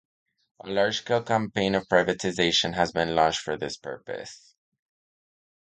A largescale campaign of privatization has been launched for this purpose.